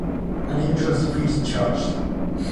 An entrance fee is charged.